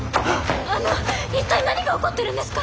あの一体何が起こってるんですか！？